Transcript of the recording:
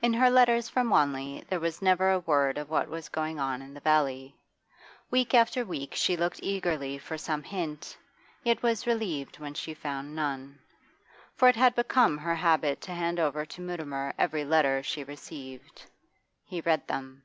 In her letters from Wanley there was never a word of what was going on in the valley. Week after week she looked eagerly for some hint, yet was relieved when she found none. For it had become her habit to hand over to Mutimer every letter she received. He read them.